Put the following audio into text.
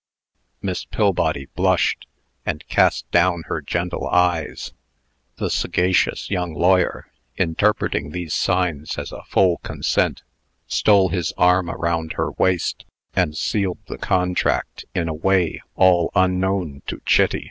Miss Pillbody blushed, and cast down her gentle eyes. The sagacious young lawyer, interpreting these signs as a full consent, stole his arm around her waist, and sealed the contract in a way all unknown to Chitty.